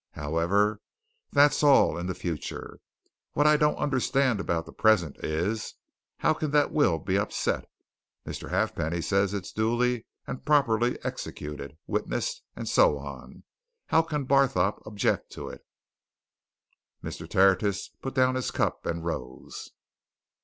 However, that's all in the future. What I don't understand about the present is how can that will be upset? Mr. Halfpenny says it's duly and properly executed, witnessed, and so on how can Barthorpe object to it?" Mr. Tertius put down his cup and rose.